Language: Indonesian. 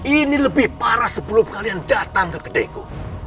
ini lebih parah sebelum kalian datang ke kedaiku